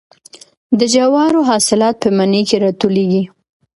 د جوارو حاصلات په مني کې راټولیږي.